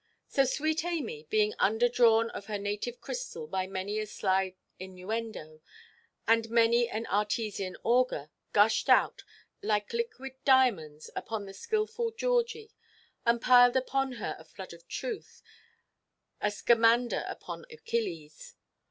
Il. xxi. 257. So sweet Amy, being under–drawn of her native crystal by many a sly innuendo and many an Artesian auger, gushed out, like liquid diamonds, upon the skilful Georgie, and piled upon her a flood of truth, a Scamander upon Achilles.